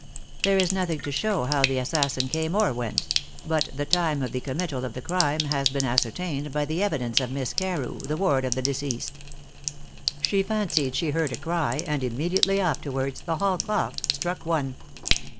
There is nothing to show how the assassin came or went; but the time of the committal of the crime has been ascertained by the evidence of Miss Carew, the ward of the deceased. She fancied she heard a cry, and immediately afterwards the hall clock struck one.